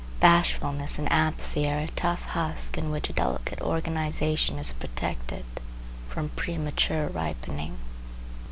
Bashfulness and apathy are a tough husk in which a delicate organization is protected from premature ripening.